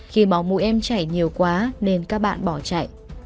khi máu mũi em chảy nhiều quá nên các bạn bỏ chạy